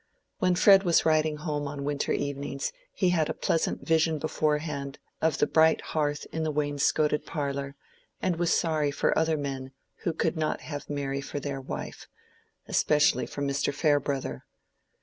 When Fred was riding home on winter evenings he had a pleasant vision beforehand of the bright hearth in the wainscoted parlor, and was sorry for other men who could not have Mary for their wife; especially for Mr. Farebrother.